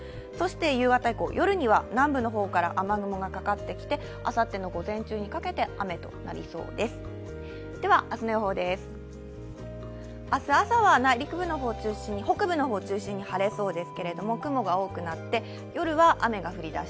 夕方以降夜には南部の方から雨雲がかかってきて、あさっての午前中にかけて雨となりそうです。